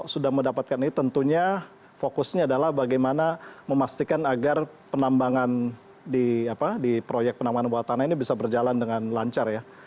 sudah mendapatkan ini tentunya fokusnya adalah bagaimana memastikan agar penambangan di proyek penambangan bawah tanah ini bisa berjalan dengan lancar ya